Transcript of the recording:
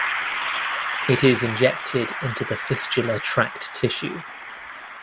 It is injected into the fistula tract tissue.